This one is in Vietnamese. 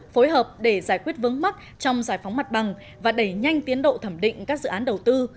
phối hợp để giải quyết vướng mắc trong giải phóng mặt bằng và đẩy nhanh tiến độ thẩm định các dự án đầu tư